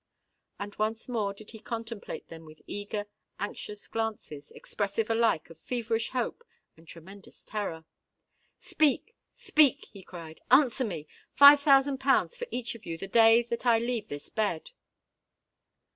And once more did he contemplate them with eager—anxious glances, expressive alike of feverish hope and tremendous terror. "Speak—speak!" he cried: "answer me! Five thousand pounds for each of you, the day that I leave this bed!"